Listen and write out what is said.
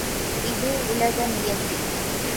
இது உலக நியதி.